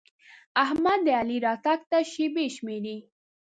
احمد د علي راتګ ته شېبې شمېري.